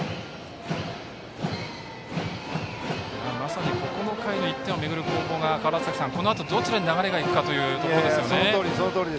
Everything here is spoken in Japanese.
まさにここの回の１点を巡る攻防がこのあと、どちらに流れが行くかというところですね。